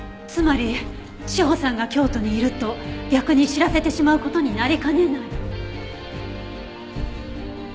つまり詩帆さんが京都にいると逆に知らせてしまう事になりかねない。